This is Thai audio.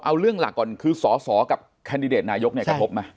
เอาเรื่องหลักก่อนคือสอสอกับแคนดิเดตนายกเนี่ยกระทบไหม